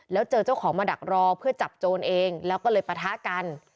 แล้วเจอเจ้าของมาดักรอเพื่อจับโจรเองแล้วก็เลยปะทะกัน